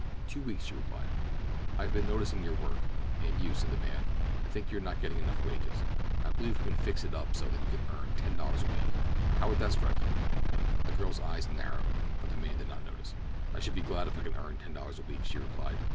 "Two weeks," she replied. "I have been noticing your work—and you," said the man. "I think that you are not getting enough wages. I believe that we can fix it up so that you can earn ten dollars a week—how would that strike you?" The girl's eyes narrowed, but the man did not notice. "I should be glad if I could earn ten dollars a week," she replied.